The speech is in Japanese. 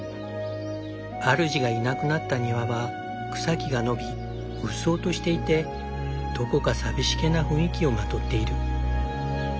主がいなくなった庭は草木が伸びうっそうとしていてどこか寂しげな雰囲気をまとっている。